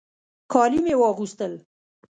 کالي مې واغوستل.